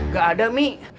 gak ada mi